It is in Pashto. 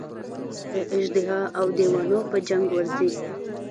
د اژدها او دېوانو په جنګ ورځي.